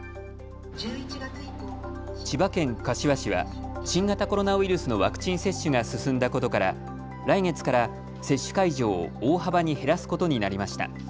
千葉県柏市は新型コロナウイルスのワクチン接種が進んだことから来月から接種会場を大幅に減らすことになりました。